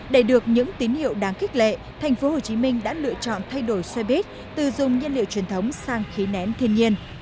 để được những tín hiệu đáng khích lệ tp hcm đã lựa chọn thay đổi xe buýt từ dùng nhiên liệu truyền thống sang khí nén thiên nhiên